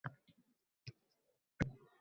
Uch-to`rt qadam yurildi